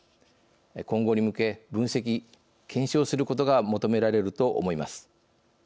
今後に向け分析・検証することが求められると思います。